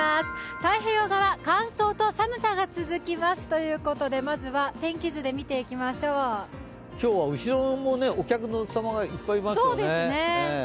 太平洋側、乾燥と寒さが続きますということでまずは、天気図で見ていきましょう今日は後ろもお客様がいっぱいいますよね。